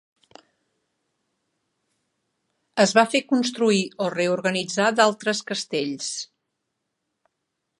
Es va fer construir o reorganitzar d'altres castells.